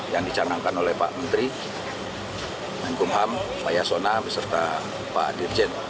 yang dicanangkan oleh pak menteri menkumham pak yasona beserta pak dirjen